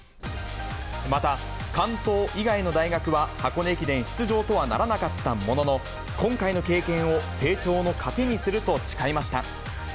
また関東以外の大学は、箱根駅伝出場とはならなかったものの、今回の経験を成長の糧にすると誓いました。